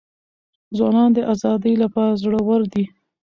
ځوانان د ازادۍ لپاره زړه ور دي.